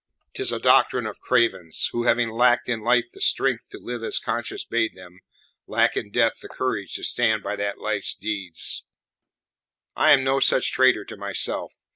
'Tis a doctrine of cravens, who, having lacked in life the strength to live as conscience bade them, lack in death the courage to stand by that life's deeds. I am no such traitor to myself.